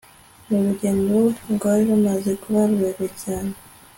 nurugendo rwari rumaze kuba rurerure cyane